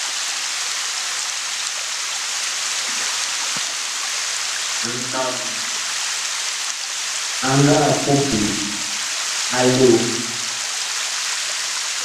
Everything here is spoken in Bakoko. Anɔn ag nga puple a loo.